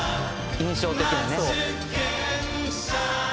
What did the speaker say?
「印象的なね」